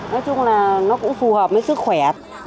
nói chung là nó cũng phù hợp với sức khỏe